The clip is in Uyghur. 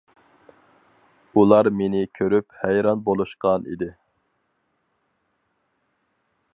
ئۇلار مېنى كۆرۈپ ھەيران بولۇشقان ئىدى.